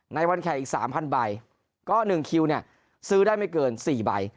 ในวันแขกอีก๓๐๐ใบก็๑คิวเนี่ยซื้อได้ไม่เกิน๔ใบ